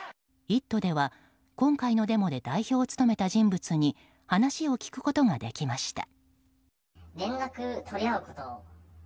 「イット！」では今回のデモで代表を務めた人物に話を聞くことができました。